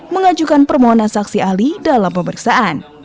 mengajukan permohonan saksi ahli dalam pemeriksaan